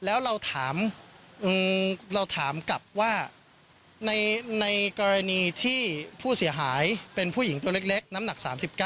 แล้วเราถามเราถามกลับว่าในกรณีที่ผู้เสียหายเป็นผู้หญิงตัวเล็กน้ำหนัก๓๙